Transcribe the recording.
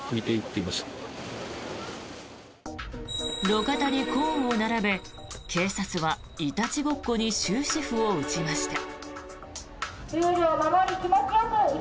路肩のコーンを並べ警察はいたちごっこに終止符を打ちました。